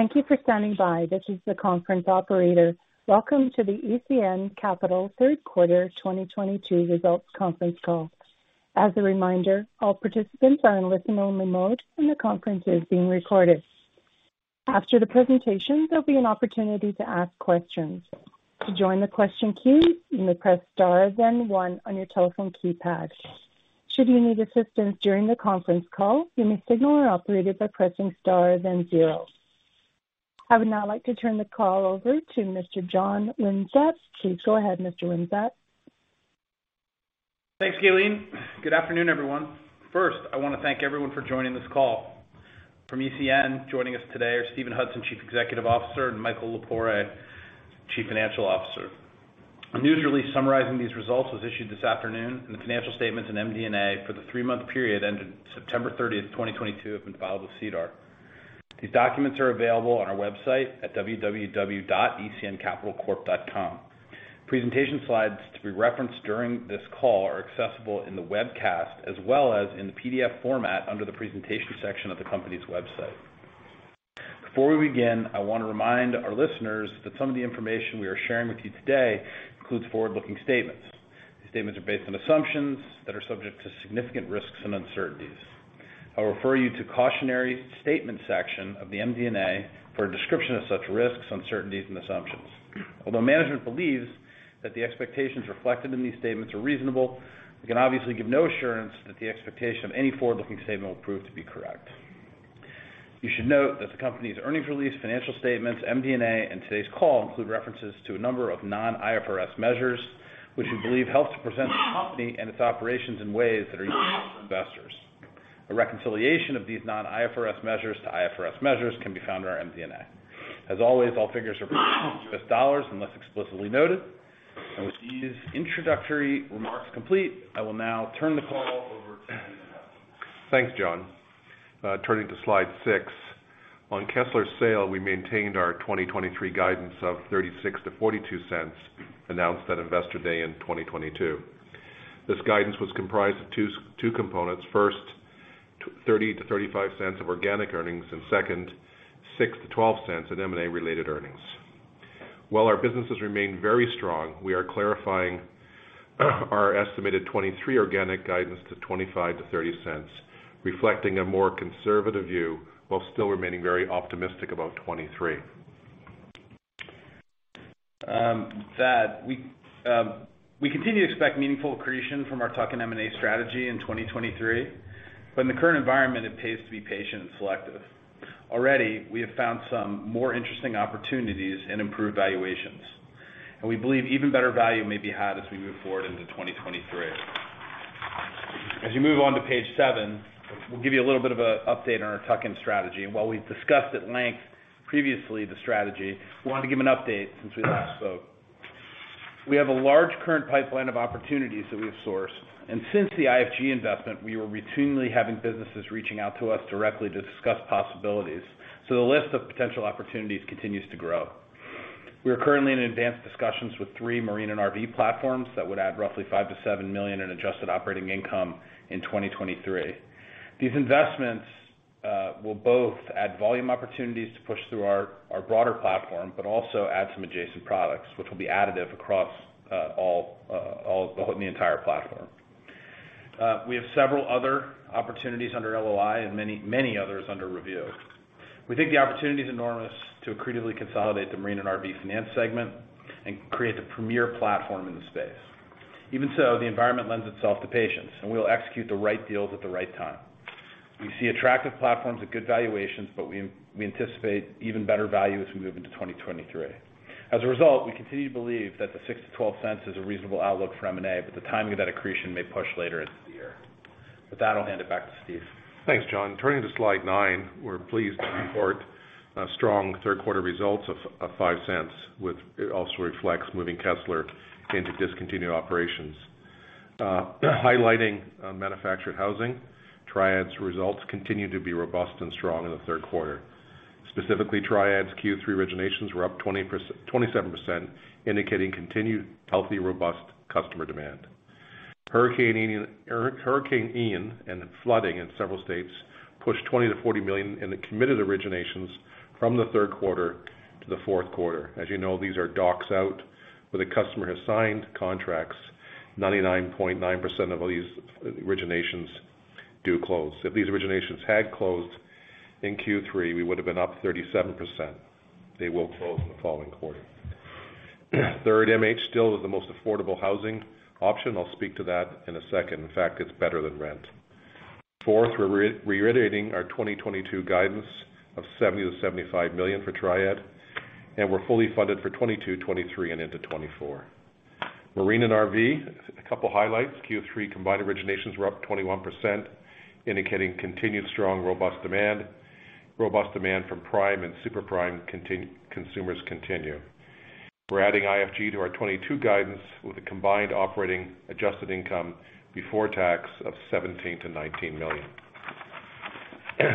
Thank you for standing by. This is the conference operator. Welcome to the ECN Capital Third Quarter 2022 Results Conference Call. As a reminder, all participants are in listen-only mode, and the conference is being recorded. After the presentation, there'll be an opportunity to ask questions. To join the question queue, you may press star then one on your telephone keypad. Should you need assistance during the conference call, you may signal our operator by pressing star then zero. I would now like to turn the call over to Mr. John Wimsatt. Please go ahead, Mr. Wimsatt. Thanks, Kayleen. Good afternoon, everyone. First, I want to thank everyone for joining this call. From ECN, joining us today are Steven Hudson, Chief Executive Officer, and Michael Lepore, Chief Financial Officer. A news release summarizing these results was issued this afternoon, and the financial statements in MD&A for the three-month period ended September 30th, 2022 have been filed with SEDAR. These documents are available on our website at www.ecncapitalcorp.com. Presentation slides to be referenced during this call are accessible in the webcast as well as in the PDF format under the Presentation section of the company's website. Before we begin, I want to remind our listeners that some of the information we are sharing with you today includes forward-looking statements. These statements are based on assumptions that are subject to significant risks and uncertainties. I'll refer you to Cautionary Statement section of the MD&A for a description of such risks, uncertainties and assumptions. Although management believes that the expectations reflected in these statements are reasonable, we can obviously give no assurance that the expectation of any forward-looking statement will prove to be correct. You should note that the company's earnings release, financial statements, MD&A, and today's call include references to a number of non-IFRS measures, which we believe helps to present the company and its operations in ways that are useful to investors. A reconciliation of these non-IFRS measures to IFRS measures can be found in our MD&A. As always, all figures are presented in U.S. dollars unless explicitly noted. With these introductory remarks complete, I will now turn the call over to Steven Hudson. Thanks, John. Turning to slide six. On Kessler's sale, we maintained our 2023 guidance of $0.36-$0.42, announced at Investor Day in 2022. This guidance was comprised of two components. First, $0.30-$0.35 Of organic earnings, and second, $0.06-$0.12 In M&A-related earnings. While our businesses remain very strong, we are clarifying our estimated 2023 organic guidance to $0.25-$0.30, reflecting a more conservative view while still remaining very optimistic about 2023. We continue to expect meaningful accretion from our tuck-in M&A strategy in 2023, but in the current environment, it pays to be patient and selective. Already, we have found some more interesting opportunities and improved valuations, and we believe even better value may be had as we move forward into 2023. As you move on to page seven, we'll give you a little bit of an update on our tuck-in strategy. While we've discussed at length previously the strategy, we wanted to give an update since we last spoke. We have a large current pipeline of opportunities that we have sourced, and since the IFG investment, we were routinely having businesses reaching out to us directly to discuss possibilities, so the list of potential opportunities continues to grow. We are currently in advanced discussions with three Marine and RV platforms that would add roughly $5 million-$7 million in adjusted operating income in 2023. These investments will both add volume opportunities to push through our broader platform, but also add some adjacent products, which will be additive across the entire platform. We have several other opportunities under LOI and many others under review. We think the opportunity is enormous to accretively consolidate the Marine and RV finance segment and create the premier platform in the space. Even so, the environment lends itself to patience, and we'll execute the right deals at the right time. We see attractive platforms at good valuations, but we anticipate even better value as we move into 2023. As a result, we continue to believe that the $0.06-$0.12 is a reasonable outlook for M&A, but the timing of that accretion may push later into the year. With that, I'll hand it back to Steve. Thanks, John. Turning to slide nine, we're pleased to report strong third quarter results of $0.05, which also reflects moving Kessler into discontinued operations. Highlighting on manufactured housing, Triad's results continue to be robust and strong in the third quarter. Specifically, Triad's Q3 originations were up 27%, indicating continued healthy, robust customer demand. Hurricane Ian and the flooding in several states pushed $20 million-$40 million in the committed originations from the third quarter to the fourth quarter. As you know, these are docs out where the customer has signed contracts. 99.9% of all these originations do close. If these originations had closed in Q3, we would've been up 37%. They will close in the following quarter. Third, MH still is the most affordable housing option. I'll speak to that in a second. In fact, it's better than rent. Fourth, we're reiterating our 2022 guidance of $70 million-$75 million for Triad, and we're fully funded for 2022, 2023 and into 2024. Marine and RV, a couple highlights. Q3 combined originations were up 21%, indicating continued strong, robust demand. Robust demand from prime and super prime consumers continue. We're adding IFG to our 2022 guidance with a combined operating adjusted income before tax of $17 million-$19 million.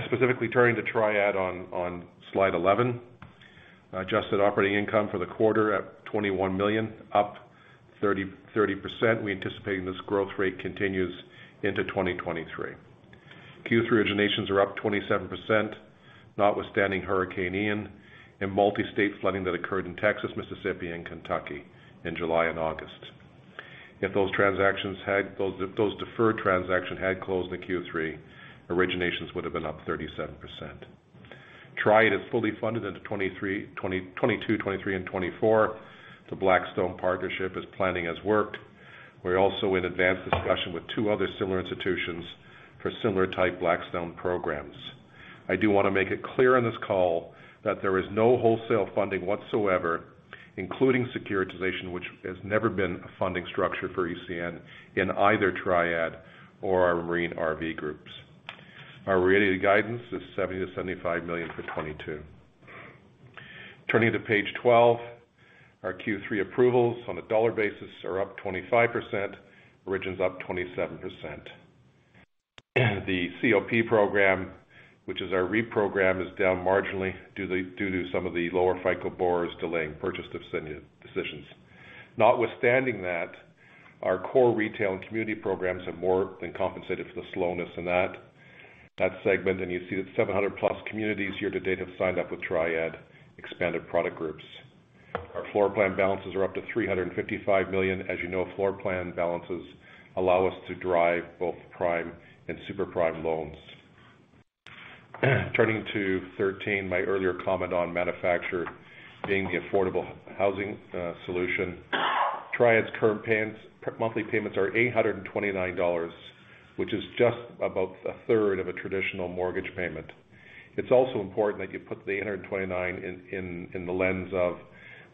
Specifically turning to Triad on slide 11. Adjusted operating income for the quarter at $21 million, up 30%. We anticipate this growth rate continues into 2023. Q3 originations are up 27%, notwithstanding Hurricane Ian and multi-state flooding that occurred in Texas, Mississippi, and Kentucky in July and August. If those deferred transactions had closed in Q3, originations would have been up 37%. Triad is fully funded into 2022, 2023, and 2024. The Blackstone partnership has worked as planned. We're also in advanced discussions with two other similar institutions for similar-type Blackstone programs. I do wanna make it clear on this call that there is no wholesale funding whatsoever, including securitization, which has never been a funding structure for ECN in either Triad or our Marine RV groups. Our related guidance is $70 million-$75 million for 2022. Turning to page 12, our Q3 approvals on a dollar basis are up 25%, origins up 27%. The COP program, which is our core program, is down marginally due to some of the lower FICO borrowers delaying purchase decisions. Notwithstanding that, our core retail and community programs have more than compensated for the slowness in that segment. You see that 700+ communities year to date have signed up with Triad expanded product groups. Our floor plan balances are up to $355 million. As you know, floor plan balances allow us to drive both prime and super prime loans. Turning to 13, my earlier comment on manufactured being the affordable housing solution. Triad's current payments monthly payments are $829, which is just about a third of a traditional mortgage payment. It's also important that you put the $829 in the lens of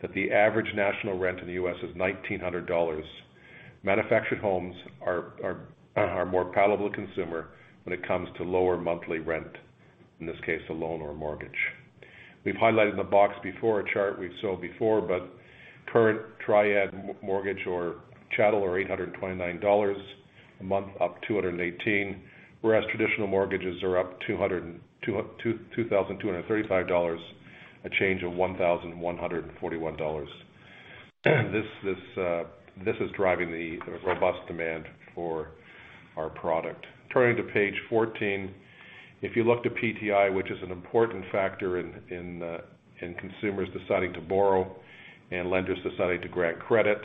that the average national rent in the U.S. is $1,900. Manufactured homes are more palatable to consumer when it comes to lower monthly rent, in this case, a loan or a mortgage. We've highlighted in the box before, a chart we've shown before, but current Triad mortgage or chattel are $829 a month, up $218. Whereas traditional mortgages are up $2,235, a change of $1,141. This is driving the robust demand for our product. Turning to page 14. If you look to PTI, which is an important factor in consumers deciding to borrow and lenders deciding to grant credit.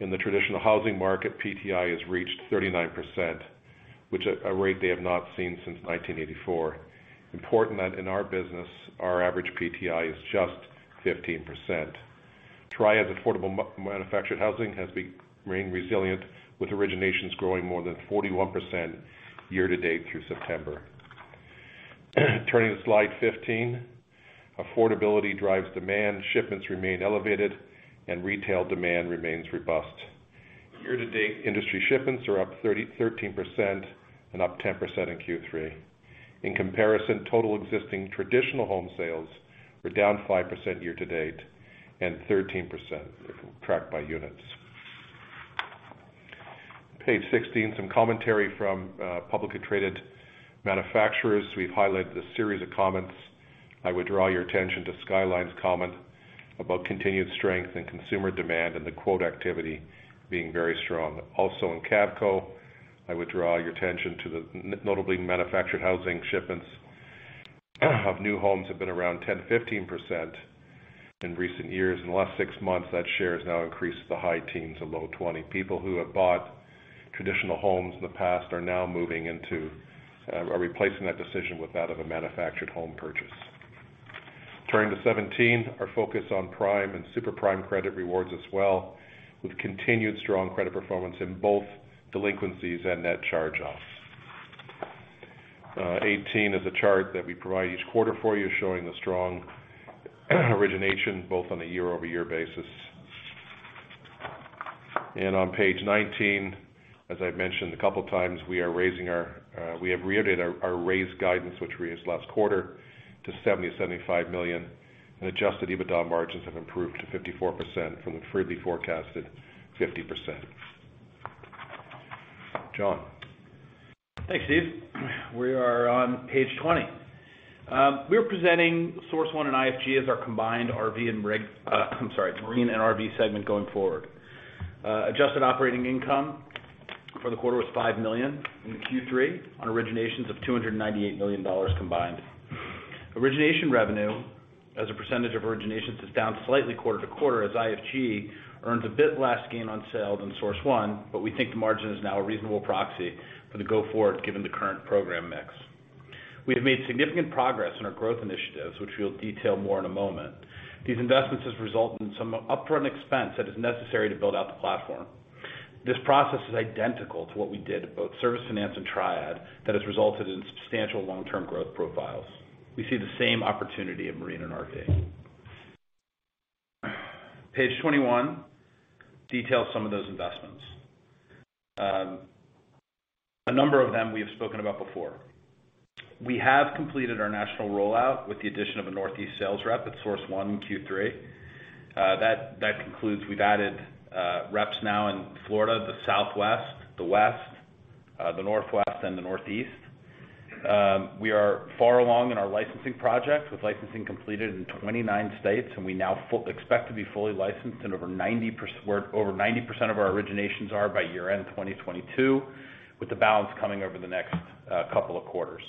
In the traditional housing market, PTI has reached 39%, which is a rate they have not seen since 1984. Important that in our business, our average PTI is just 15%. Triad's affordable manufactured housing has remained resilient, with originations growing more than 41% year to date through September. Turning to slide 15. Affordability drives demand. Shipments remain elevated and retail demand remains robust. Year to date, industry shipments are up 13% and up 10% in Q3. In comparison, total existing traditional home sales are down 5% year to date and 13% if we track by units. Page 16, some commentary from publicly traded manufacturers. We've highlighted a series of comments. I would draw your attention to Skyline's comment about continued strength in consumer demand and the quote activity being very strong. Also in Cavco, I would draw your attention to the notably manufactured housing shipments of new homes have been around 10, 15% in recent years. In the last six months, that share has now increased to the high teens% and low 20%. People who have bought traditional homes in the past are now replacing that decision with that of a manufactured home purchase. Turning to 17. Our focus on prime and super prime credit rewards as well, with continued strong credit performance in both delinquencies and net charge-offs. 18 is a chart that we provide each quarter for you, showing the strong origination, both on a year-over-year basis. On page 19, as I've mentioned a couple of times, we have reiterated our raised guidance, which we raised last quarter to $70 million-$75 million, and adjusted EBITDA margins have improved to 54% from the previously forecasted 50%. John. Thanks, Steve. We are on page 20. We're presenting SourceOne and IFG as our combined Marine and RV segment going forward. Adjusted operating income for the quarter was $5 million in Q3 on originations of $298 million combined. Origination revenue as a percentage of originations is down slightly quarter-over-quarter as IFG earned a bit less gain on sale than SourceOne, but we think the margin is now a reasonable proxy for the go forward given the current program mix. We have made significant progress in our growth initiatives, which we'll detail more in a moment. These investments has resulted in some upfront expense that is necessary to build out the platform. This process is identical to what we did at both Service Finance and Triad that has resulted in substantial long-term growth profiles. We see the same opportunity at Marine and RV. Page 21 details some of those investments. A number of them we have spoken about before. We have completed our national rollout with the addition of a Northeast sales rep at Source One in Q3. That concludes. We've added reps now in Florida, the Southwest, the West, the Northwest, and the Northeast. We are far along in our licensing project, with licensing completed in 29 states, and we now fully expect to be fully licensed where over 90% of our originations are by year-end 2022, with the balance coming over the next couple of quarters.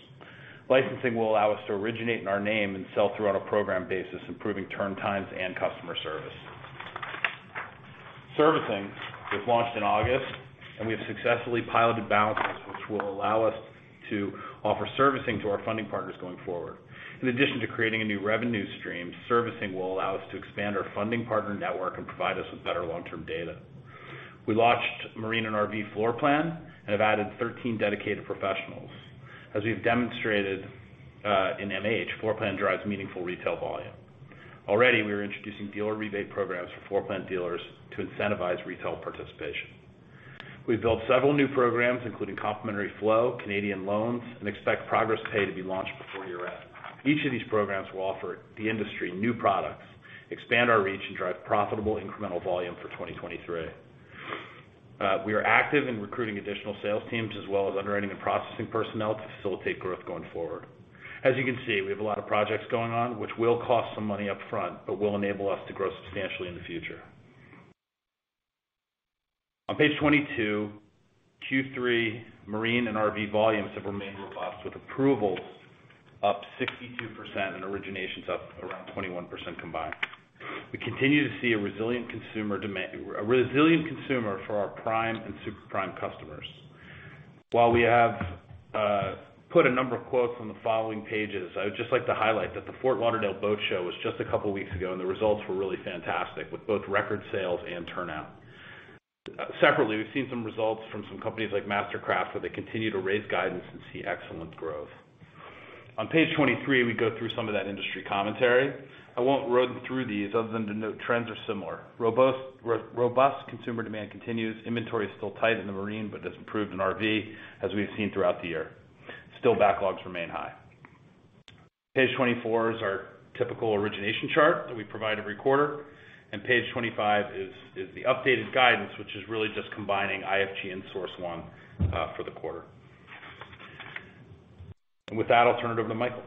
Licensing will allow us to originate in our name and sell through on a program basis, improving turn times and customer service. Servicing was launched in August, and we have successfully piloted balances which will allow us to offer servicing to our funding partners going forward. In addition to creating a new revenue stream, servicing will allow us to expand our funding partner network and provide us with better long-term data. We launched Marine and RV floor plan and have added 13 dedicated professionals. As we've demonstrated in MH, floor plan drives meaningful retail volume. Already, we are introducing dealer rebate programs for floor plan dealers to incentivize retail participation. We've built several new programs, including complementary flow, Canadian loans, and expect progress pay to be launched before year-end. Each of these programs will offer the industry new products, expand our reach, and drive profitable incremental volume for 2023. We are active in recruiting additional sales teams as well as underwriting and processing personnel to facilitate growth going forward. As you can see, we have a lot of projects going on which will cost some money up front, but will enable us to grow substantially in the future. On page 22, Q3 Marine and RV volumes have remained robust, with approvals up 62% and originations up around 21% combined. We continue to see a resilient consumer demand for our prime and super prime customers. While we have put a number of quotes on the following pages, I would just like to highlight that the Fort Lauderdale Boat Show was just a couple weeks ago, and the results were really fantastic, with both record sales and turnout. Separately, we've seen some results from some companies like MasterCraft, where they continue to raise guidance and see excellent growth. On page 23, we go through some of that industry commentary. I won't run through these other than to note trends are similar. Robust consumer demand continues. Inventory is still tight in the marine, but has improved in RV as we've seen throughout the year. Still, backlogs remain high. Page 24 is our typical origination chart that we provide every quarter, and page 25 is the updated guidance, which is really just combining IFG and SourceOne for the quarter. With that, I'll turn it over to Michael.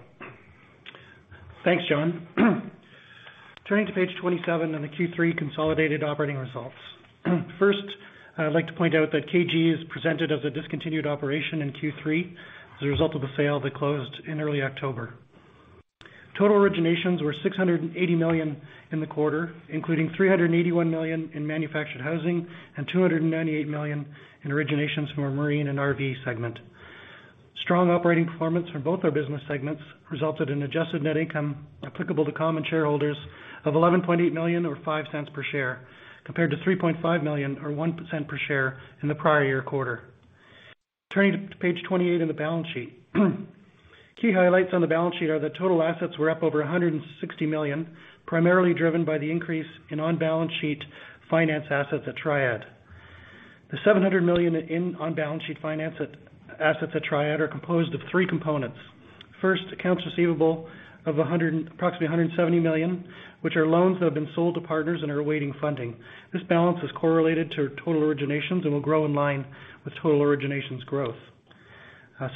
Thanks, John. Turning to page 27 on the Q3 consolidated operating results. First, I'd like to point out that KG is presented as a discontinued operation in Q3 as a result of a sale that closed in early October. Total originations were $680 million in the quarter, including $381 million in manufactured housing and $298 million in originations from our Marine and RV segment. Strong operating performance from both our business segments resulted in adjusted net income applicable to common shareholders of $11.8 million or $0.05 per share, compared to $3.5 million or 1% per share in the prior year quarter. Turning to page 28 in the balance sheet. Key highlights on the balance sheet are the total assets were up over $160 million, primarily driven by the increase in on-balance sheet finance assets at Triad. The $700 million in on-balance sheet finance assets at Triad are composed of three components. First, accounts receivable of approximately $170 million, which are loans that have been sold to partners and are awaiting funding. This balance is correlated to total originations and will grow in line with total originations growth.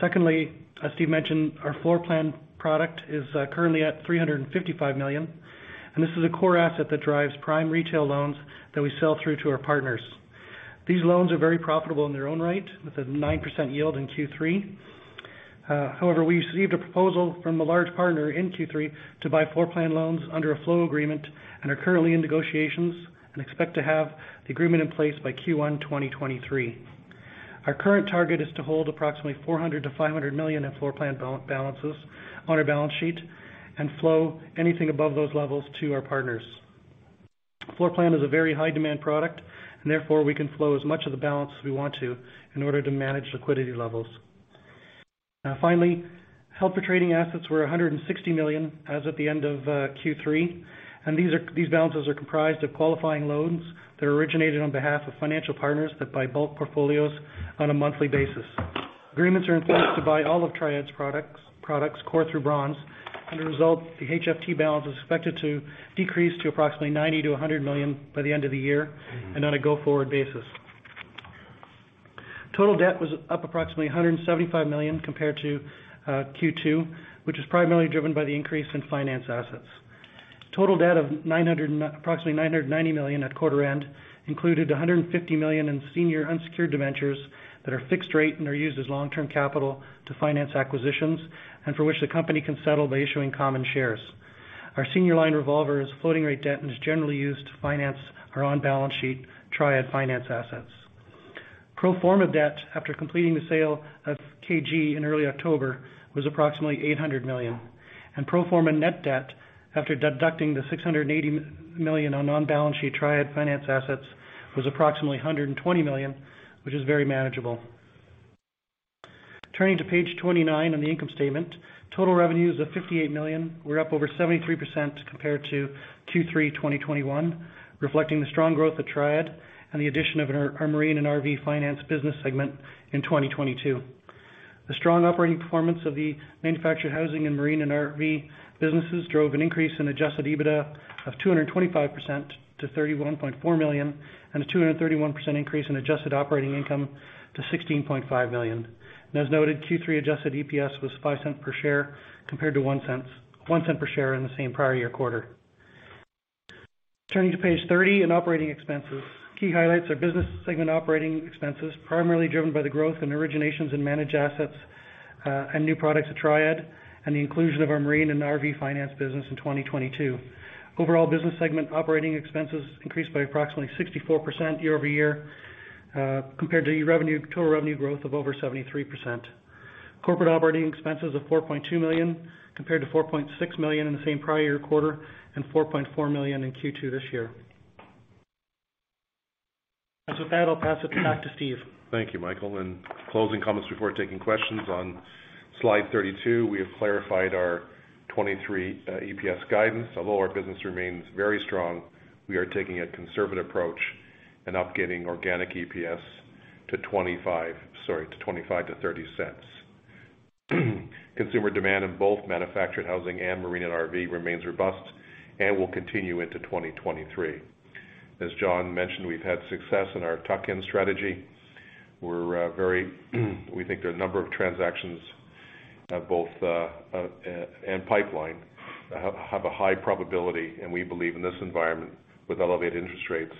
Secondly, as Steve mentioned, our floor plan product is currently at $355 million, and this is a core asset that drives prime retail loans that we sell through to our partners. These loans are very profitable in their own right, with a 9% yield in Q3. However, we received a proposal from a large partner in Q3 to buy floor plan loans under a flow agreement and are currently in negotiations and expect to have the agreement in place by Q1 2023. Our current target is to hold approximately $400 million-$500 million in floor plan balances on our balance sheet and flow anything above those levels to our partners. Floor plan is a very high demand product and therefore we can flow as much of the balance as we want to in order to manage liquidity levels. Finally, held-for-trading assets were $160 million as of the end of Q3, and these balances are comprised of qualifying loans that are originated on behalf of financial partners that buy bulk portfolios on a monthly basis. Agreements are in place to buy all of Triad's products core through bronze. As a result, the HFT balance is expected to decrease to approximately $90 million-$100 million by the end of the year and on a go-forward basis. Total debt was up approximately $175 million compared to Q2, which was primarily driven by the increase in finance assets. Total debt of approximately $990 million at quarter end included $150 million in senior unsecured debentures that are fixed rate and are used as long-term capital to finance acquisitions and for which the company can settle by issuing common shares. Our senior line revolver is floating rate debt and is generally used to finance our on-balance sheet Triad finance assets. Pro forma debt after completing the sale of KG in early October was approximately $800 million, and pro forma net debt after deducting the $680 million on-balance sheet Triad financial assets was approximately $120 million, which is very manageable. Turning to page 29 on the income statement. Total revenues of $58 million were up over 73% compared to Q3 2021, reflecting the strong growth of Triad and the addition of our Marine and RV finance business segment in 2022. The strong operating performance of the manufactured housing and Marine and RV businesses drove an increase in adjusted EBITDA of 225% to $31.4 million and a 231% increase in adjusted operating income to $16.5 million. As noted, Q3 adjusted EPS was $0.05 per share compared to $0.01 per share in the same prior year quarter. Turning to page 30 in operating expenses. Key highlights are business segment operating expenses, primarily driven by the growth in originations in managed assets, and new products at Triad, and the inclusion of our Marine and RV finance business in 2022. Overall business segment operating expenses increased by approximately 64% year-over-year, compared to total revenue growth of over 73%. Corporate operating expenses of $4.2 million compared to $4.6 million in the same prior year quarter, and $4.4 million in Q2 this year. With that, I'll pass it back to Steve. Thank you, Michael. Closing comments before taking questions on slide 32, we have clarified our 2023 EPS guidance. Although our business remains very strong, we are taking a conservative approach and updating organic EPS to $0.25-$0.30. Consumer demand in both manufactured housing and Marine and RV remains robust and will continue into 2023. As John mentioned, we've had success in our tuck-in strategy. We think there are a number of transactions in the pipeline have a high probability, and we believe in this environment with elevated interest rates,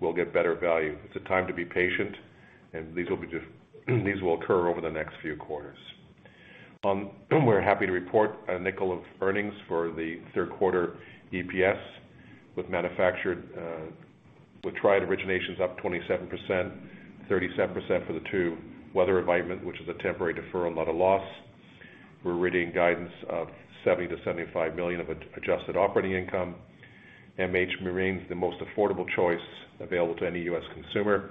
we'll get better value. It's a time to be patient, and these will occur over the next few quarters. We're happy to report $0.05 of earnings for the third quarter EPS with Triad originations up 27%, 37% for the tough weather environment, which is a temporary deferral, not a loss. We're reaffirming guidance of $70-$75 million of adjusted operating income. MH. Marine is the most affordable choice available to any U.S. consumer,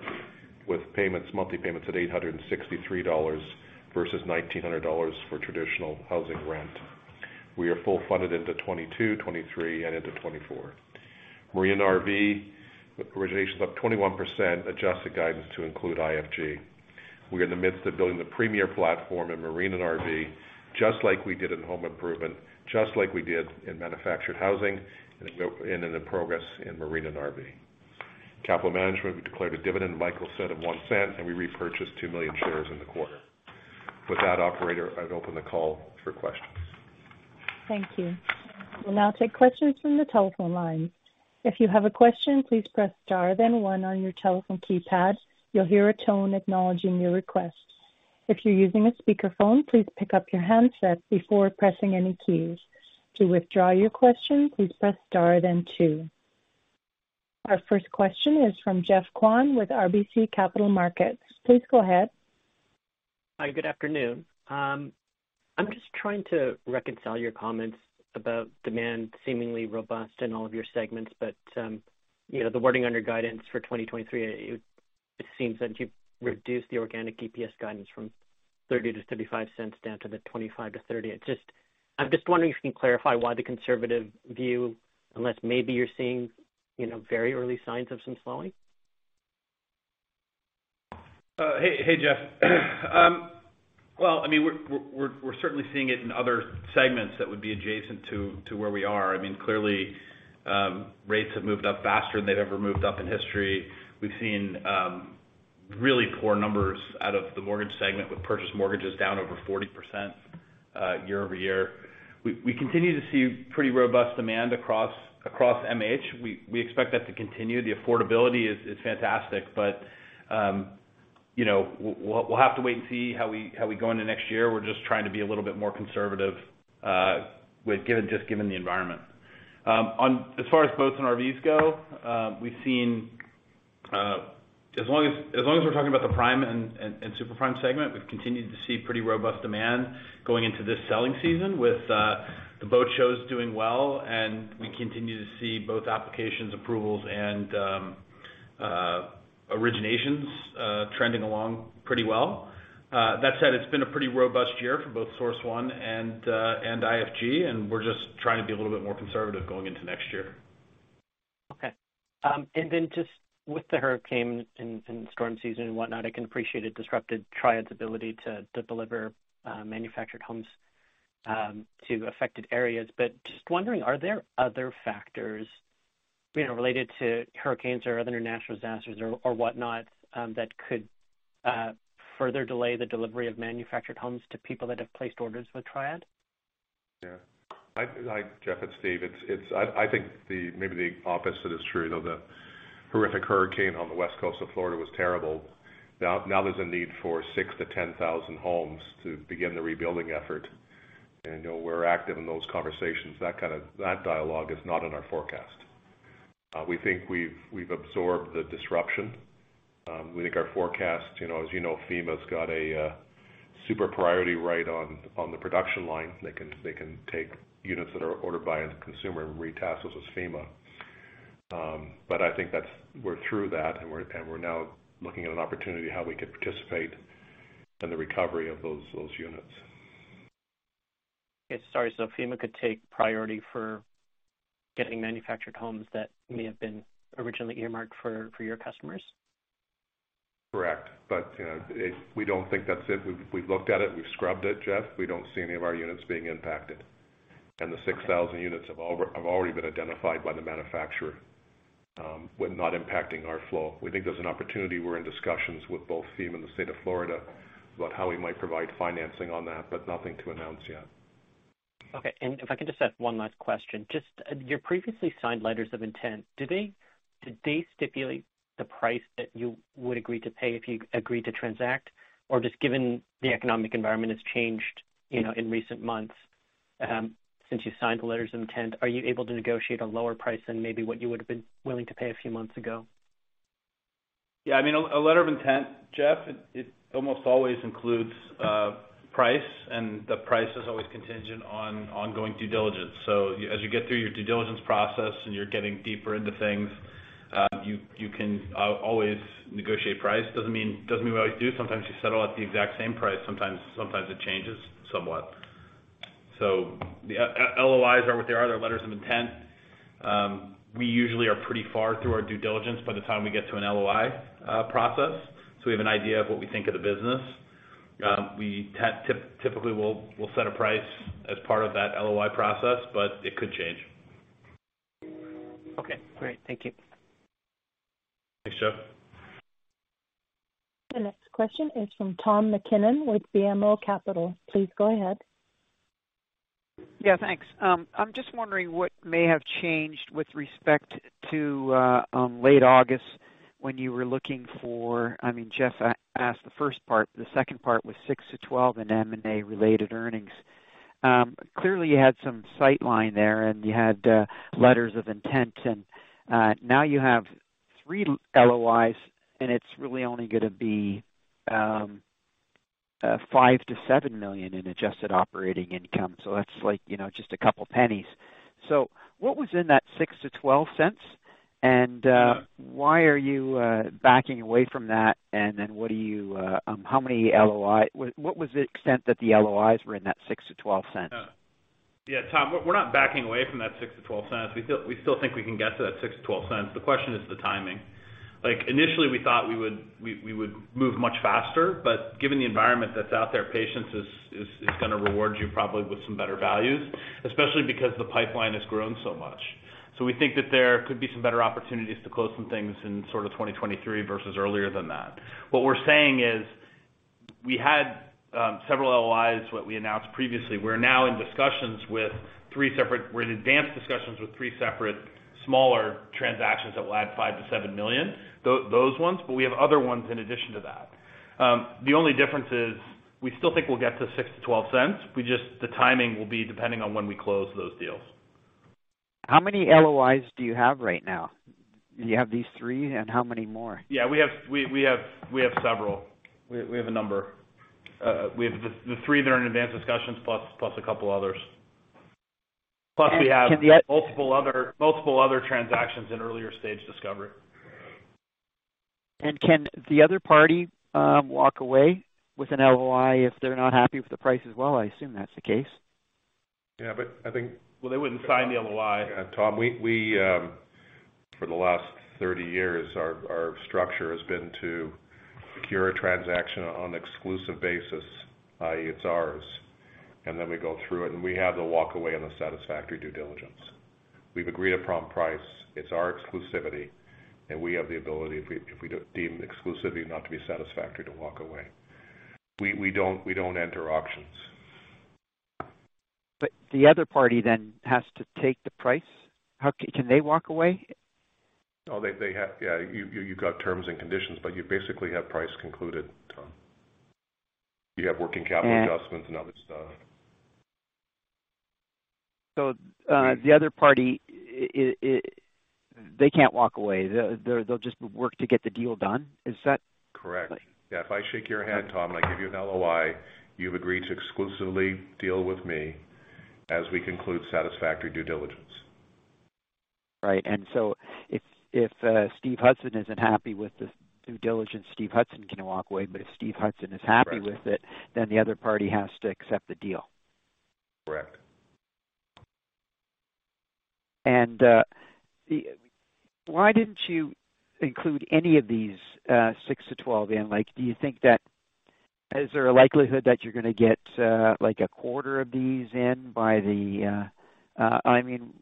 with payments, monthly payments at $863 versus $1,900 for traditional housing rent. We are fully funded into 2022, 2023, and into 2024. Marine RV originations up 21%, adjusted guidance to include IFG. We're in the midst of building the premier platform in Marine and RV, just like we did in home improvement, just like we did in manufactured housing and in the progress in Marine and RV. Capital management, we declared a dividend, Michael said of $0.01, and we repurchased 2 million shares in the quarter. With that, operator, I'd open the call for questions. Thank you. We'll now take questions from the telephone lines. If you have a question, please press star, then one on your telephone keypad. You'll hear a tone acknowledging your request. If you're using a speakerphone, please pick up your handset before pressing any keys. To withdraw your question, please press star then two. Our first question is from Geoff Kwan with RBC Capital Markets. Please go ahead. Hi, good afternoon. I'm just trying to reconcile your comments about demand seemingly robust in all of your segments, but, you know, the wording on your guidance for 2023, it seems that you've reduced the organic EPS guidance from $0.30-$0.35 down to the $0.25-$0.30. It's just. I'm just wondering if you can clarify why the conservative view, unless maybe you're seeing, you know, very early signs of some slowing. Hey, Geoff. Well, I mean, we're certainly seeing it in other segments that would be adjacent to where we are. I mean, clearly, rates have moved up faster than they've ever moved up in history. We've seen really poor numbers out of the mortgage segment, with purchase mortgages down over 40% year-over-year. We continue to see pretty robust demand across MH. We expect that to continue. The affordability is fantastic. You know, we'll have to wait and see how we go into next year. We're just trying to be a little bit more conservative, given the environment. As far as boats and RVs go, we've seen, as long as we're talking about the prime and super prime segment, we've continued to see pretty robust demand going into this selling season with the boat shows doing well, and we continue to see both applications, approvals and originations trending along pretty well. That said, it's been a pretty robust year for both SourceOne and IFG, and we're just trying to be a little bit more conservative going into next year. Okay. Just with the hurricane and storm season and whatnot, I can appreciate it disrupted Triad's ability to deliver manufactured homes to affected areas. Just wondering, are there other factors, you know, related to hurricanes or other natural disasters or whatnot, that could further delay the delivery of manufactured homes to people that have placed orders with Triad? Yeah. Geoff, it's Steve. I think maybe the opposite is true, though. The horrific hurricane on the west coast of Florida was terrible. Now there's a need for 6,000-10,000 homes to begin the rebuilding effort. You know, we're active in those conversations. That kind of dialogue is not in our forecast. We think we've absorbed the disruption. We think our forecast, you know, as you know, FEMA's got a super priority right on the production lines. They can take units that are ordered by a consumer and retask those as FEMA. I think that's. We're through that and we're now looking at an opportunity how we could participate in the recovery of those units. Okay, sorry. FEMA could take priority for getting manufactured homes that may have been originally earmarked for your customers? Correct. You know, we don't think that's it. We've looked at it, we've scrubbed it, Geoff. We don't see any of our units being impacted. The 6,000 units have already been identified by the manufacturer. We're not impacting our flow. We think there's an opportunity. We're in discussions with both FEMA and the state of Florida about how we might provide financing on that, but nothing to announce yet. Okay. If I can just ask one last question. Just, your previously signed letters of intent, do they stipulate the price that you would agree to pay if you agree to transact? Just given the economic environment has changed, you know, in recent months, since you've signed the letters of intent, are you able to negotiate a lower price than maybe what you would have been willing to pay a few months ago? Yeah. I mean, a letter of intent, Geoff, it almost always includes price, and the price is always contingent on ongoing due diligence. As you get through your due diligence process and you're getting deeper into things, you can always negotiate price. Doesn't mean you do. Sometimes you settle at the exact same price. Sometimes it changes somewhat. The LOIs are what they are. They're letters of intent. We usually are pretty far through our due diligence by the time we get to an LOI process. We have an idea of what we think of the business. We typically will set a price as part of that LOI process, but it could change. Okay. Great. Thank you. Thanks, Geoff. The next question is from Tom MacKinnon with BMO Capital Markets. Please go ahead. Yeah, thanks. I'm just wondering what may have changed with respect to late August when you were looking for. I mean, Geoff asked the first part. The second part was six to 12 in M&A-related earnings. Clearly, you had some line of sight there and you had letters of intent and now you have three LOIs, and it's really only gonna be $5 million-$7 million in adjusted operating income. So that's like, you know, just a couple pennies. So what was in that $0.06-$0.12? Yeah. Why are you backing away from that? How many LOIs? What was the extent that the LOIs were in that $0.06-$0.12? Yeah. Yeah, Tom, we're not backing away from that $0.06-$0.12. We still think we can get to that $0.06-$0.12. The question is the timing. Like, initially, we thought we would move much faster, but given the environment that's out there, patience is gonna reward you probably with some better values, especially because the pipeline has grown so much. We think that there could be some better opportunities to close some things in sort of 2023 versus earlier than that. What we're saying is we had several LOIs, what we announced previously. We're in advanced discussions with three separate smaller transactions that will add $5-$7 million. Those ones, but we have other ones in addition to that. The only difference is we still think we'll get to $0.06-$0.12. The timing will be depending on when we close those deals. How many LOIs do you have right now? You have these three, and how many more? Yeah, we have several. We have a number. We have the three that are in advanced discussions plus a couple others. And can the- Multiple other transactions in early stage discovery. Can the other party walk away with an LOI if they're not happy with the price as well? I assume that's the case. Yeah, I think. Well, they wouldn't sign the LOI. Yeah, Tom, for the last 30 years, our structure has been to secure a transaction on exclusive basis, i.e., it's ours, and then we go through it and we have the walk away on the satisfactory due diligence. We've agreed a prompt price. It's our exclusivity, and we have the ability, if we don't deem exclusivity not to be satisfactory, to walk away. We don't enter auctions. The other party then has to take the price. How can they walk away? No, they have. Yeah, you've got terms and conditions, but you basically have price concluded, Tom. You have working capital- And- Adjustments and other stuff. So, uh- I mean. -the other party, they can't walk away. They'll just work to get the deal done. Is that- Correct. Right. Yeah. If I shake your hand, Tom, and I give you an LOI, you've agreed to exclusively deal with me as we conclude satisfactory due diligence. Right. If Steven Hudson isn't happy with the due diligence, Steven Hudson can walk away. If Steven Hudson is happy- Correct. with it, then the other party has to accept the deal. Correct. Why didn't you include any of these six to 12 in? Like, do you think? Is there a likelihood that you're gonna get like a quarter of these in by the? I mean,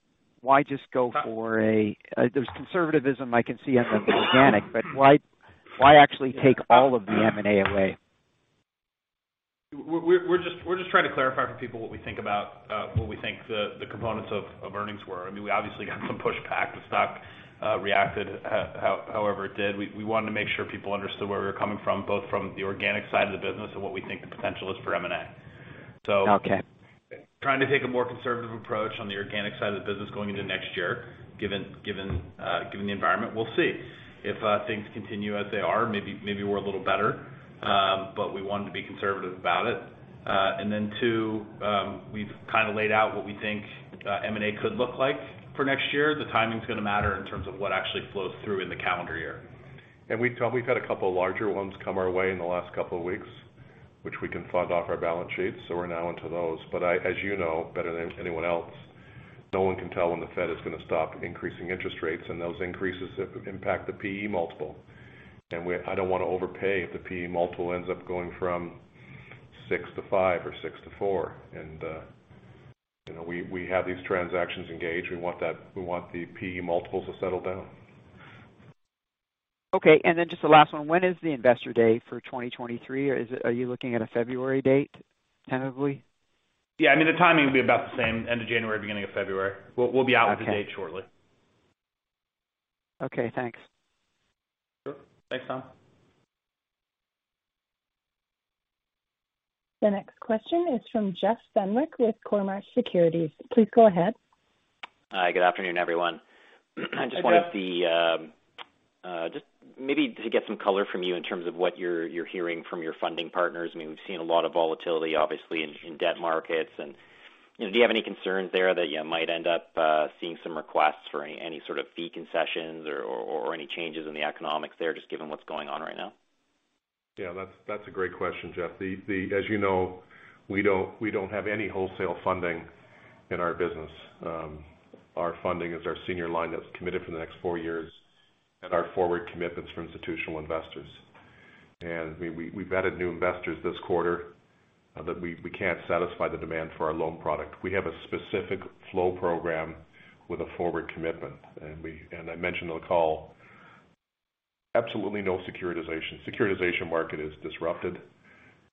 why just go for a? There's conservatism I can see on the organic, but why actually take all of the M&A away? We're just trying to clarify for people what we think the components of earnings were. I mean, we obviously got some pushback. The stock reacted however it did. We wanted to make sure people understood where we were coming from, both from the organic side of the business and what we think the potential is for M&A. Okay. Trying to take a more conservative approach on the organic side of the business going into next year, given the environment. We'll see. If things continue as they are, maybe we're a little better. We wanted to be conservative about it. Then two, we've kinda laid out what we think M&A could look like for next year. The timing's gonna matter in terms of what actually flows through in the calendar year. Tom, we've had a couple of larger ones come our way in the last couple of weeks, which we can fund off our balance sheets, so we're now onto those. As you know better than anyone else, no one can tell when the Fed is gonna stop increasing interest rates, and those increases impact the P/E multiple. I don't wanna overpay if the P/E multiple ends up going from six to five or six to four. You know, we have these transactions engaged. We want the P/E multiples to settle down. Okay. Just the last one, when is the Investor Day for 2023? Or is it, are you looking at a February date tentatively? Yeah. I mean, the timing will be about the same, end of January, beginning of February. We'll be out with the date shortly. Okay. Thanks. Sure. Thanks, Tom. The next question is from Jeff Fenwick with Cormark Securities. Please go ahead. Hi, good afternoon, everyone. Hi, Jeff. I just wanted to see just maybe to get some color from you in terms of what you're hearing from your funding partners. I mean, we've seen a lot of volatility, obviously, in debt markets. You know, do you have any concerns there that you might end up seeing some requests for any sort of fee concessions or any changes in the economics there, just given what's going on right now? Yeah, that's a great question, Jeff. As you know, we don't have any wholesale funding in our business. Our funding is our senior line that's committed for the next four years and our forward commitments from institutional investors. We've added new investors this quarter that we can't satisfy the demand for our loan product. We have a specific flow program with a forward commitment. I mentioned on the call, absolutely no securitization. Securitization market is disrupted.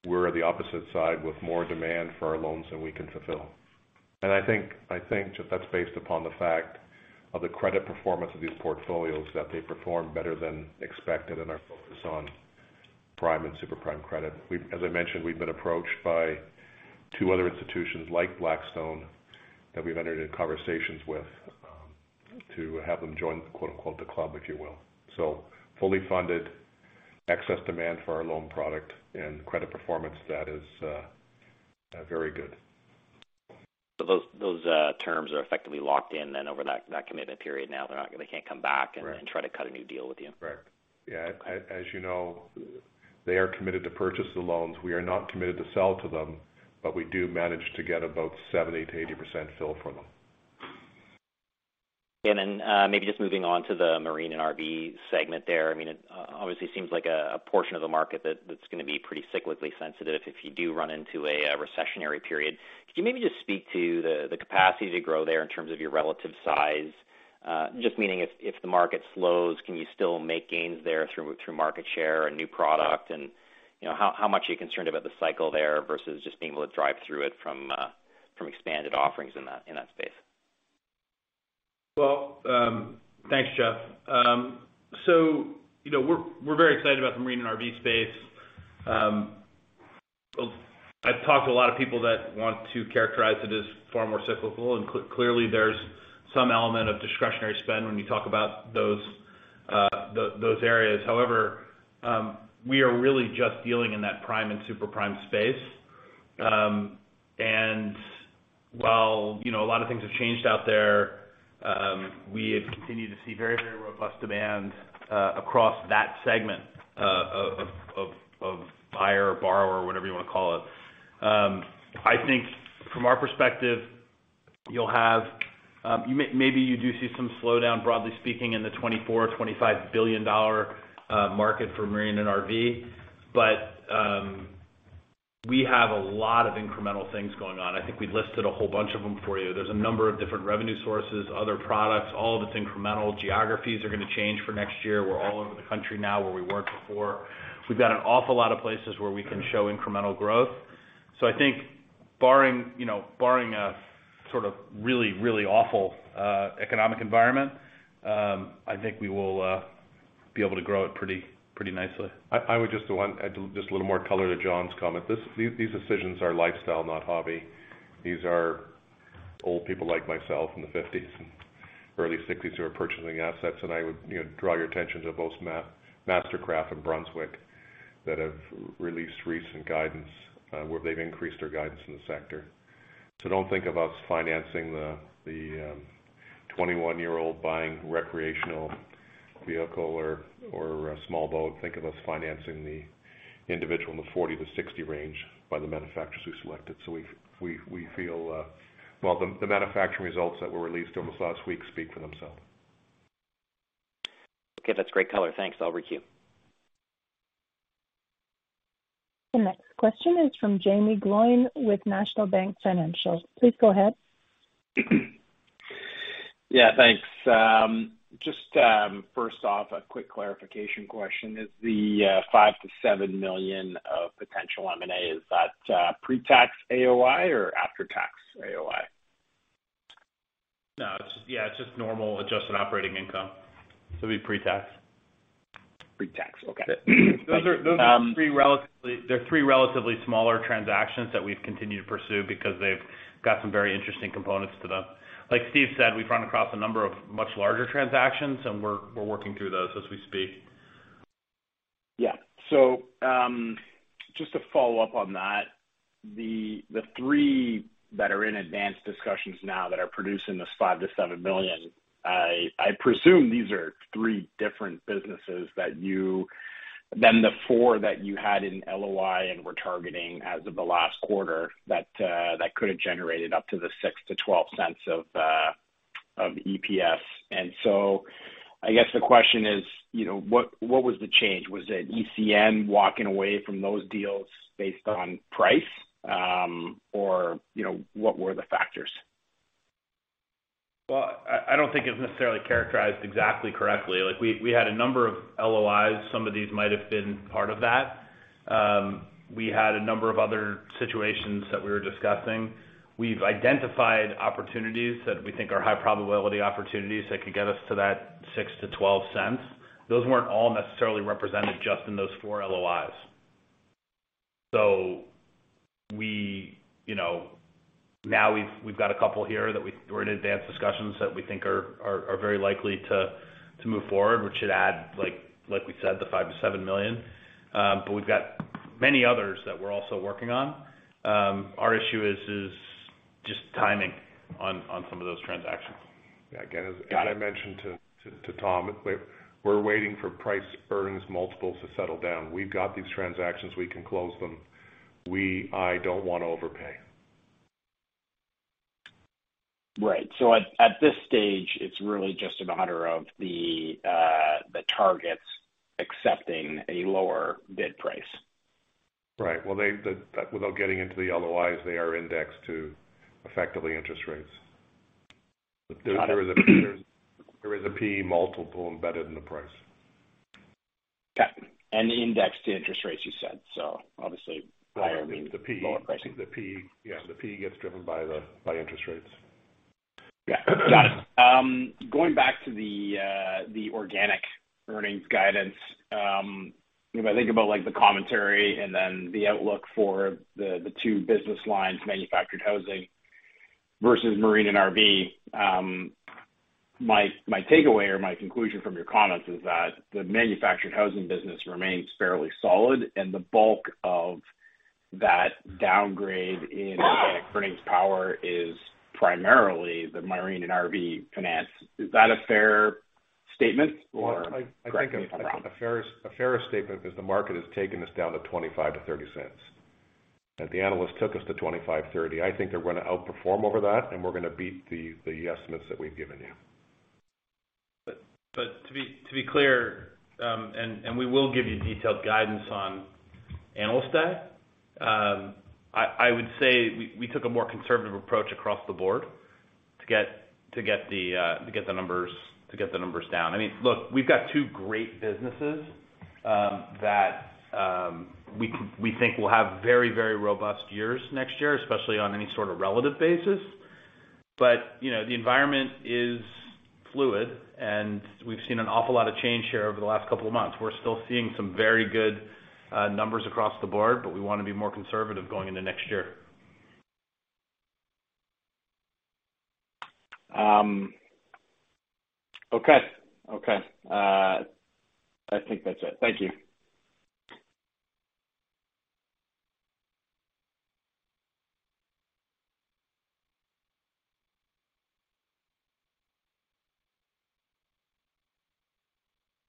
We're at the opposite side with more demand for our loans than we can fulfill. I think that that's based upon the fact of the credit performance of these portfolios, that they perform better than expected and are focused on prime and super prime credit. As I mentioned, we've been approached by two other institutions like Blackstone that we've entered into conversations with, to have them join, quote-unquote, the club, if you will. Fully funded excess demand for our loan product and credit performance that is very good. Those terms are effectively locked in then over that commitment period now. They can't come back. Right. try to cut a new deal with you. Right. Yeah. As you know, they are committed to purchase the loans. We are not committed to sell to them, but we do manage to get about 70%-80% fill from them. Maybe just moving on to the Marine and RV segment there. I mean, it obviously seems like a portion of the market that's gonna be pretty cyclically sensitive if you do run into a recessionary period. Could you maybe just speak to the capacity to grow there in terms of your relative size? Just meaning if the market slows, can you still make gains there through market share and new product? You know, how much are you concerned about the cycle there versus just being able to drive through it from expanded offerings in that space? Well, thanks, Jeff. You know, we're very excited about the Marine and RV space. I've talked to a lot of people that want to characterize it as far more cyclical. Clearly, there's some element of discretionary spend when you talk about those areas. However, we are really just dealing in that prime and super-prime space. And while, you know, a lot of things have changed out there, we have continued to see very robust demand across that segment of buyer or borrower, whatever you wanna call it. I think from our perspective, you'll have, maybe you do see some slowdown, broadly speaking, in the $24 billion-$25 billion market for Marine and RV. We have a lot of incremental things going on. I think we've listed a whole bunch of them for you. There's a number of different revenue sources, other products, all of it's incremental. Geographies are gonna change for next year. We're all over the country now, where we weren't before. We've got an awful lot of places where we can show incremental growth. I think barring, you know, a sort of really, really awful economic environment, I think we will be able to grow it pretty nicely. I would just want to add just a little more color to John's comment. These decisions are lifestyle, not hobby. These are old people like myself in the fifties and early sixties who are purchasing assets. I would, you know, draw your attention to both MasterCraft and Brunswick that have released recent guidance, where they've increased their guidance in the sector. Don't think of us financing the 21-year-old buying recreational vehicle or a small boat. Think of us financing the individual in the 40-60 range by the manufacturers we selected. We feel the manufacturing results that were released almost last week speak for themselves. Okay. That's great color. Thanks. I'll requeue. The next question is from Jaeme Gloyn with National Bank Financial. Please go ahead. Yeah. Thanks. Just first off, a quick clarification question. Is the $5 million-$7 million of potential M&A pre-tax AOI or after-tax AOI? No, it's just normal adjusted operating income. It'd be pre-tax. pre-tax. Okay. Those are. Um- Those are three relatively smaller transactions that we've continued to pursue because they've got some very interesting components to them. Like Steve said, we've run across a number of much larger transactions, and we're working through those as we speak. Just to follow up on that, the three that are in advanced discussions now that are producing this $5 million-$7 million, I presume these are three different businesses other than the four that you had in LOI and were targeting as of the last quarter that could have generated up to the $0.06-$0.12 of EPS. I guess the question is, you know, what was the change? Was it ECN walking away from those deals based on price? Or, you know, what were the factors? Well, I don't think it necessarily characterized exactly correctly. Like we had a number of LOIs. Some of these might have been part of that. We had a number of other situations that we were discussing. We've identified opportunities that we think are high probability opportunities that could get us to that $0.06-$0.12. Those weren't all necessarily represented just in those four LOIs. You know, now we've got a couple here that we're in advanced discussions that we think are very likely to move forward, which should add, like we said, the $5 million-$7 million. But we've got many others that we're also working on. Our issue is just timing on some of those transactions. Yeah. Again, as I mentioned to Tom, we're waiting for price earnings multiples to settle down. We've got these transactions. We can close them. I don't wanna overpay. Right. At this stage, it's really just a matter of the targets accepting a lower bid price. Right. Well, without getting into the LOIs, they are indexed to effectively interest rates. Got it. There is a P/E multiple embedded in the price. Yeah. Indexed to interest rates you said. Obviously higher means lower pricing. The P/E gets driven by interest rates. Yeah. Got it. Going back to the organic earnings guidance, if I think about like the commentary and then the outlook for the two business lines, manufactured housing versus Marine and RV, my takeaway or my conclusion from your comments is that the manufactured housing business remains fairly solid, and the bulk of that downgrade in organic earnings power is primarily the Marine and RV finance. Is that a fair statement or I think a fair statement is the market has taken us down to $0.25-$0.30. That the analyst took us to $0.25, $0.30. I think they're gonna outperform over that, and we're gonna beat the estimates that we've given you. To be clear, we will give you detailed guidance on Investor Day. I would say we took a more conservative approach across the board to get the numbers down. I mean, look, we've got two great businesses that we think will have very robust years next year, especially on any sort of relative basis. You know, the environment is fluid, and we've seen an awful lot of change here over the last couple of months. We're still seeing some very good numbers across the board, but we wanna be more conservative going into next year. Okay. I think that's it. Thank you.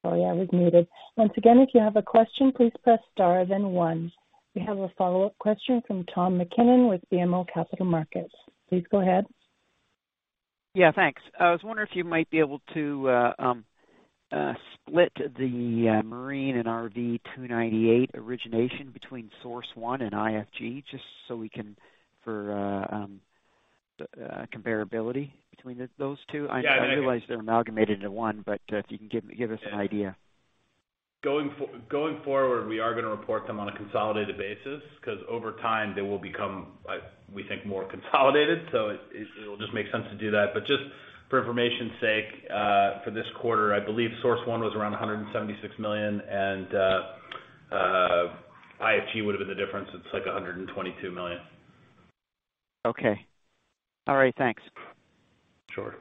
Oh, yeah, we've muted. Once again, if you have a question, please press star then one. We have a follow-up question from Tom MacKinnon with BMO Capital Markets. Please go ahead. Yeah, thanks. I was wondering if you might be able to split the Marine and RV 298 origination between SourceOne and IFG, just so we can, for comparability between those two. Yeah. I realize they're amalgamated into one, but if you can give us an idea. Going forward, we are gonna report them on a consolidated basis because over time, they will become, we think more consolidated. It will just make sense to do that. Just for information sake, for this quarter, I believe SourceOne was around $176 million, and IFG would have been the difference. It's like $122 million. Okay. All right, thanks. Sure.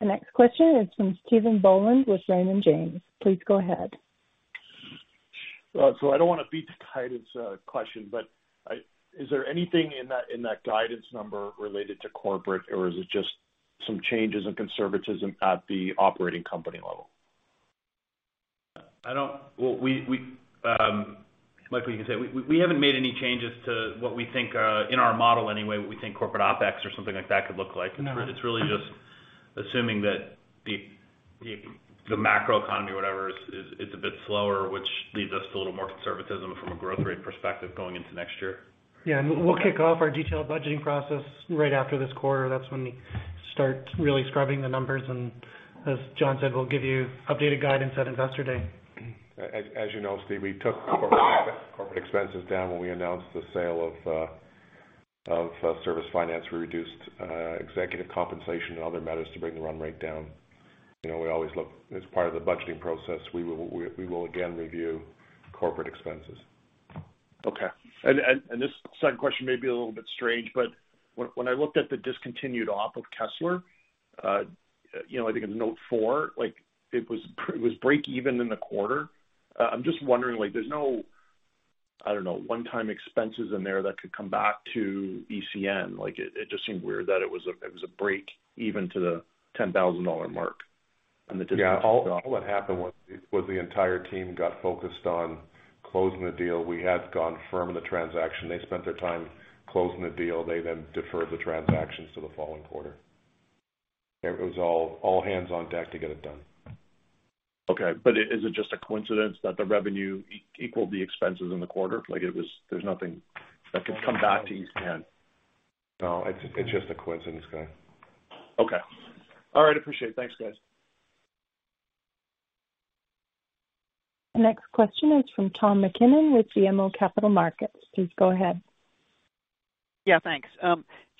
The next question is from Stephen Boland with Raymond James. Please go ahead. I don't want to beat to death Titus' question, but is there anything in that guidance number related to corporate or is it just some changes in conservatism at the operating company level? Well, we like we can say we haven't made any changes to what we think in our model anyway, what we think corporate OpEx or something like that could look like. It's really just assuming that the macroeconomy, whatever is a bit slower, which leaves us a little more conservatism from a growth rate perspective going into next year. Yeah. We'll kick off our detailed budgeting process right after this quarter. That's when we start really scrubbing the numbers. As John said, we'll give you updated guidance at Investor Day. As you know, Steve, we took corporate expenses down when we announced the sale of Service Finance. We reduced executive compensation and other matters to bring the run rate down. You know, we always look, as part of the budgeting process. We will again review corporate expenses. Okay. This second question may be a little bit strange, but when I looked at the discontinued op of Kessler, you know, I think in Note four, like it was break even in the quarter. I'm just wondering, like, there's no, I don't know, one-time expenses in there that could come back to ECN. Like, it just seemed weird that it was a break even to the $10,000 mark on the Yeah. All that happened was the entire team got focused on closing the deal. We had gone firm in the transaction. They spent their time closing the deal. They then deferred the transactions to the following quarter. It was all hands on deck to get it done. Okay. Is it just a coincidence that the revenue equaled the expenses in the quarter? Like there's nothing that could come back to ECN. No, it's just a coincidence, guy. Okay. All right. Appreciate it. Thanks, guys. The next question is from Tom MacKinnon with BMO Capital Markets. Please go ahead. Yeah, thanks.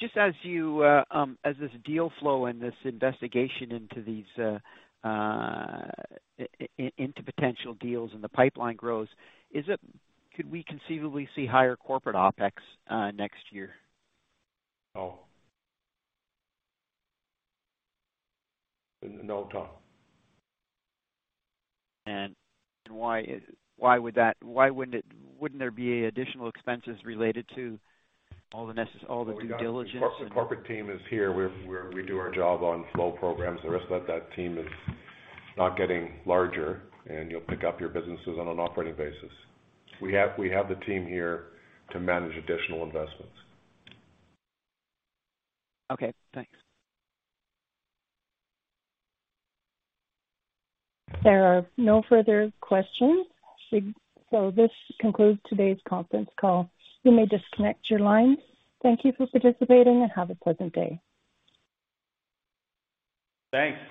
Just as this deal flow and this investigation into these potential deals and the pipeline grows, could we conceivably see higher corporate OpEx next year? No. No, Tom. Why wouldn't there be additional expenses related to all the due diligence? The corporate team is here. We do our job on flow programs. The rest of that team is not getting larger, and you'll pick up your businesses on an operating basis. We have the team here to manage additional investments. Okay, thanks. There are no further questions. This concludes today's conference call. You may disconnect your lines. Thank you for participating and have a pleasant day. Thanks.